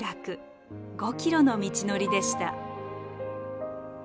５ｋｍの道のりでした。